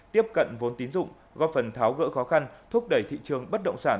tiếp cận vốn tín dụng góp phần tháo gỡ khó khăn thúc đẩy thị trường bất động sản